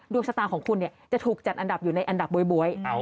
ดวงชะตาของคุณจะถูกจัดอันดับอยู่ในอันดับบ๊วย